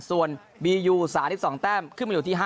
ส่วนบียู๓๒แต้มขึ้นมาอยู่ที่๕